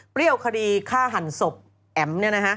เปรี้ยวคดีฆ่าหั่นศพแอ๋ม